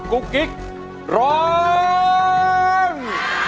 กุ๊กกิ๊กร้อง